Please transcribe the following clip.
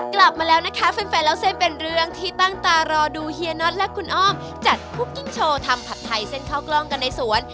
กลับมาแล้วนะคะแฟนเล่าเส้นเป็นเรื่องที่ตั้งตารอดูเฮียน็อตและคุณอ้อมจัดคุกกิ้งโชว์ทำผัดไทยเส้นข้าวกล้องกันในสวน